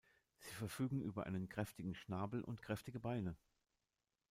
Sie verfügen über einen kräftigen Schnabel und kräftige Beine.